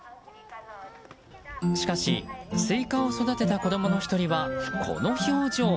しかし、スイカを育てた子供の１人はこの表情。